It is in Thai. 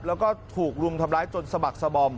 แล้วก็ถูกรุมทำร้ายจนสะบักสบอม